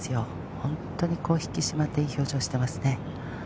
本当に引き締まったいい表情をしています。